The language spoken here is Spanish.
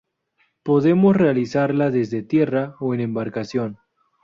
Podemos realizarla desde tierra o en embarcación.